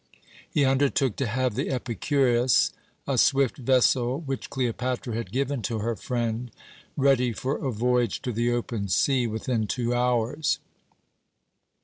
He undertook to have the "Epicurus" a swift vessel, which Cleopatra had given to her friend ready for a voyage to the open sea within two hours.